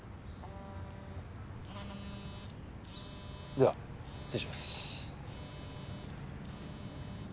では失礼します。